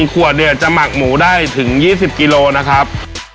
ขวดเนี่ยจะหมักหมูได้ถึง๒๐กิโลนะครับ